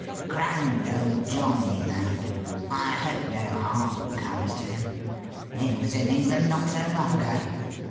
Grand old johnny, that I hope no harm comes to him. He was in England not so long ago.